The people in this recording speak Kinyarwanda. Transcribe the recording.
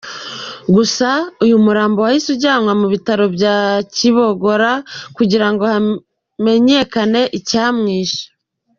Gusa uyu murambo wahise ujyanwa mu bitaro bya Kibogora kugira ngo hamenyekane icyamwishe.